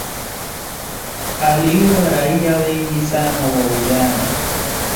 aliua raia wengi sana wa uganda